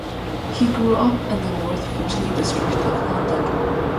He grew up in the North Finchley district of London.